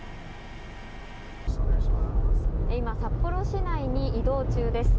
今、札幌市内に移動中です。